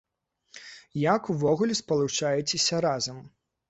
Як увогуле спалучаецеся разам?